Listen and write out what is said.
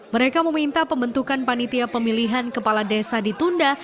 mereka meminta pembentukan panitia pemilihan kepala desa ditunda